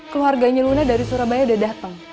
keluarganya luna dari surabaya udah datang